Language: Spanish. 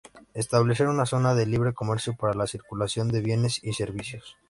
Establecer una Zona de Libre Comercio para la circulación de bienes y servicios.